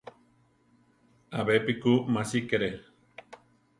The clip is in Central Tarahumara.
Abepi ku másikere.